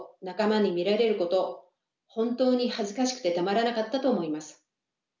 仲間に見られること本当に恥ずかしくてたまらなかったと思います。